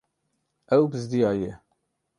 Ew bizdiyaye.